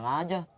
katsuh atas ini